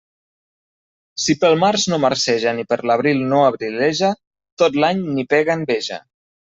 Si pel març no marceja ni per l'abril no abrileja, tot l'any n'hi pega enveja.